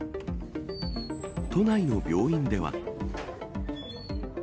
都内の病院では。